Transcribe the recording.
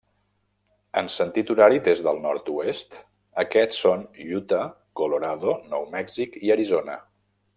En sentit horari des del nord-oest, aquests són Utah, Colorado, Nou Mèxic i Arizona.